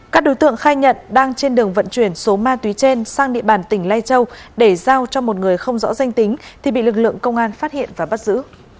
các đối tượng khai nhận đang trên đường vận chuyển số ma túy trên sang địa bàn tỉnh lai châu để giao cho một người không rõ danh tính thì bị lực lượng công an phát hiện và bắt giữ